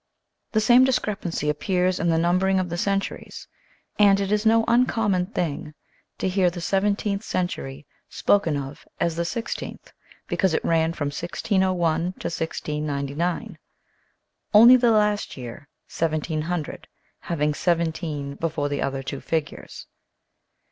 The same discrepancy appears in the numbering of the centuries and it is no uncommon thing to hear the seven teenth century spoken of as the sixteenth because it ran from 1 0oi to 1699, only the last year (1700) having 17 before the other two figures.